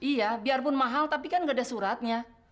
iya biarpun mahal tapi kan nggak ada suratnya